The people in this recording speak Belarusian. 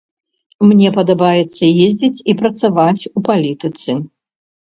Мне падабаецца ездзіць і працаваць у палітыцы.